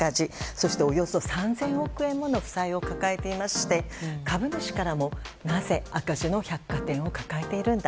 そして、およそ３０００億円もの負債を抱えておりまして株主からも、なぜ赤字の百貨店を抱えているんだ